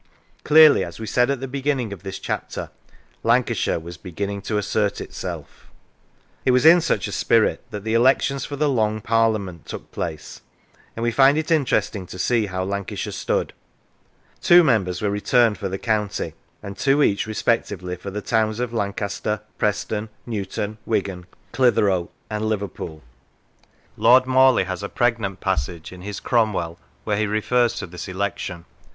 Clearly, as we said at the beginning of this chapter, Lancashire was beginning to assert itself. It was in such a spirit that the elections for the Long Parliament took place, and we find it interesting to see how Lancashire stood. Two members were returned for the county, and two each respectively for the towns of Lancaster, Preston, Newton, Wigan, Clitheroe, and Liverpool. Lord Morley has a pregnant sentence in his " Cromwell," where he refers to this election.